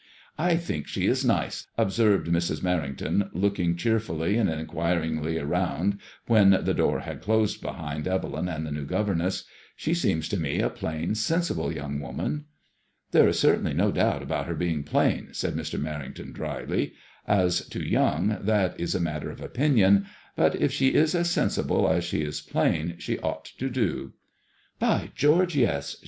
I think she is nice," observed Mrs. Merrington, looking cheer fully and inquiringly round when the door had closed behind Evelyn and the new governess. " She seems to me a plain, sensible young woman." "There is certainly no doubt about her being plain," said Mr. Merrington, dryly. As to young, that is a matter of opinion ; but if she is as sensible as she is plain, she ought to do." " By George, yes